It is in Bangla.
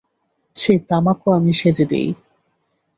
সেই তামাকও আমি সেজে দেই।